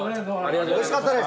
おいしかったです。